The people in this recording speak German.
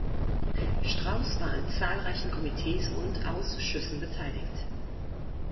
Straus war an zahlreichen Komitees und Ausschüssen beteiligt.